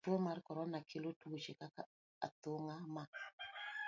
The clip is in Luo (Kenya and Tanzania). Tuo mar korona kelo tuoche kaka athung'a ma